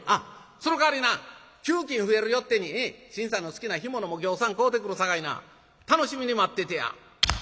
そのかわりな給金増えるよってに信さんの好きな干物もぎょうさん買うてくるさかいな楽しみに待っててや」。